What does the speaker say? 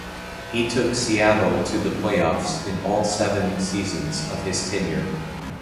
He took Seattle to the playoffs in all seven seasons of his tenure.